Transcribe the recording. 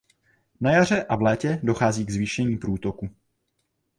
Na jaře a v létě dochází k zvýšení průtoku.